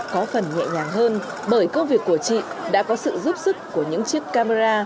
có phần nhẹ nhàng hơn bởi công việc của chị đã có sự giúp sức của những chiếc camera